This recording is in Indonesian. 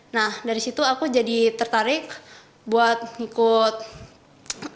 nah dari situ aku jadi tertarik buat ngikutin